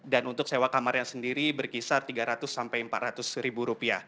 dan untuk sewa kamar yang sendiri berkisar rp tiga ratus rp empat ratus